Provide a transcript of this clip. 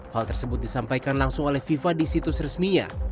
hal tersebut disampaikan langsung oleh fifa di situs resminya